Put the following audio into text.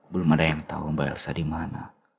belum ada yang tahu mbak elsa di mana